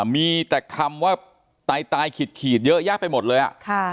มีแต่คำว่าตายตายขีดขีดเยอะยากไปหมดเลยอ่ะค่ะ